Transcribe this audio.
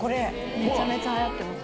めちゃめちゃ流行ってます。